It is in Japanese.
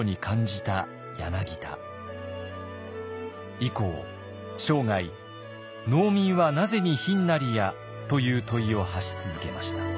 以降生涯「農民はなぜに貧なりや」という問いを発し続けました。